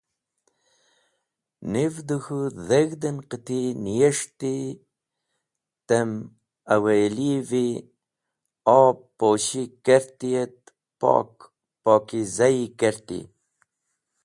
Niv, dẽ k̃hũ dheg̃hd en qiti niyes̃hti tem aweli’vi ob poshi kerti et pok pokizayi kerti.